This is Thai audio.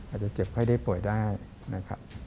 อาจจะเจ็บไข้ได้ป่วยได้นะครับ